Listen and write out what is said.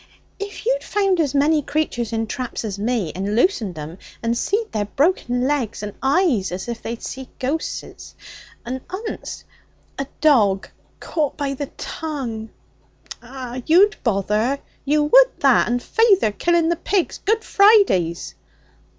'If you'd found as many creatures in traps as me, and loosened 'em, and seed their broken legs, and eyes as if they'd seed ghosses, and onst a dog caught by the tongue eh! you'd bother! You would that! And feyther killing the pigs Good Fridays.'